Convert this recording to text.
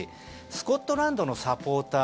スコットランドのサポーター